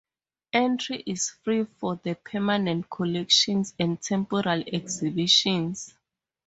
Entry is free for the permanent collections and temporary exhibitions.